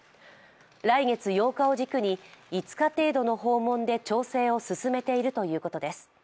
来月８日を軸に５日程度の訪問で調整を進めているということです。